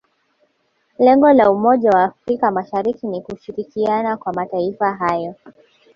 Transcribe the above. lengo la umoja wa afrika mashariki ni kushirikiana kwa mataifa hayo